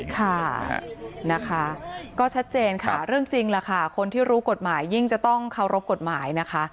ค่ะนะคะก็ชัดเจนค่ะเรื่องจริงล่ะค่ะคนที่รู้กฎหมายยิ่งจะต้องเคารพกฎหมายนะคะ